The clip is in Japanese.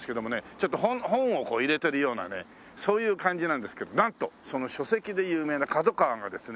ちょっと本を入れてるようなねそういう感じなんですけどなんとその書籍で有名なＫＡＤＯＫＡＷＡがですね